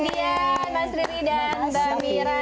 dian mas riri dan mbak mira